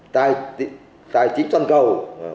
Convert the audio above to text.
tại chính toàn cầu